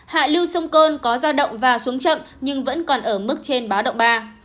hạ lưu sông côn có giao động và xuống chậm nhưng vẫn còn ở mức trên báo động ba